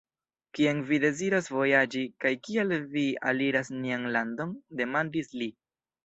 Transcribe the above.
Kien vi deziras vojaĝi, kaj kial vi aliras nian landon? demandis li.